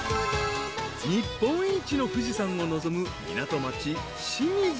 ［日本一の富士山を望む港町清水］